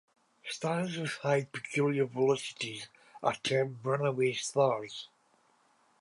Stars with high peculiar velocities are termed runaway stars.